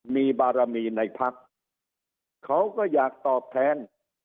มีบารมีในพักเขาก็อยากตอบแทน